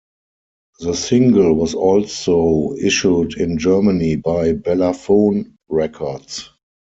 The single was also issued in Germany by Bellaphon Records.